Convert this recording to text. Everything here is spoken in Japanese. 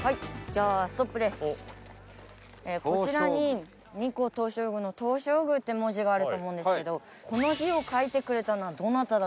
こちらに日光東照宮の「東照宮」って文字があると思うんですけどこの字を書いてくれたのはどなただと思いますか？